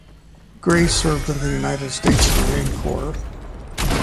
Gray served in the United States Marine Corps.